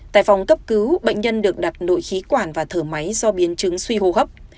tại phòng cấp cứu bệnh nhân được đặt nội khí quản và thở máy do biến chứng suy hô hấp